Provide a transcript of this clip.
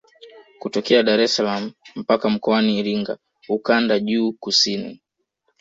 Kutokea Dar es salaam mpaka Mkoani Iringa ukanda juu kusini